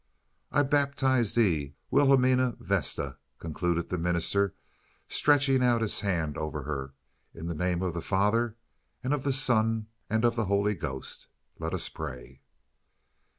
"I baptize thee, Wilhelmina Vesta," concluded the minister, stretching out his hand over her, "in the name of the Father and of the Son and of the Holy Ghost. Let us pray."